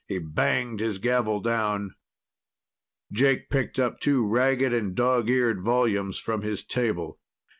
He banged his gavel down. Jake picked up two ragged and dog eared volumes from his table.